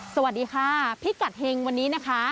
สวัสดีค่ะพิกัดเฮงวันนี้นะคะ